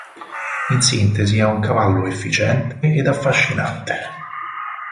In sintesi è un cavallo efficiente ed affascinante.